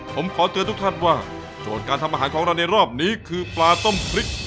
ผมขอเตือนทุกท่านว่าโจทย์การทำอาหารของเราในรอบนี้คือปลาต้มพริก